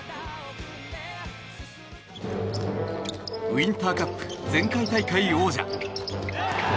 ウインターカップ前回大会王者。